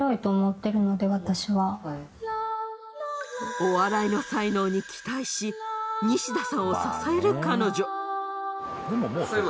お笑いの才能に期待しニシダさんを支える彼女。